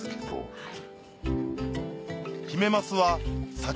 はい。